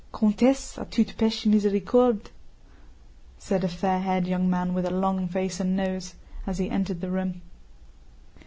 "Comtesse, à tout péché miséricorde," * said a fair haired young man with a long face and nose, as he entered the room.